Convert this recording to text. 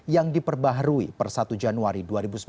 yang diperbaharui per satu januari dua ribu sembilan belas